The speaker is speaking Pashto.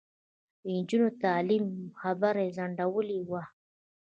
د نجونو د تعلیم خبره یې ځنډولې وه.